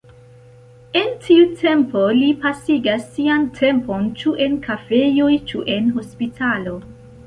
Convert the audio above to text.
En tiu tempo li pasigas sian tempon ĉu en kafejoj ĉu en hospitalo.